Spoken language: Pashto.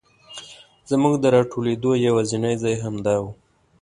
زمونږ د راټولېدو یواځینی ځای همدا و.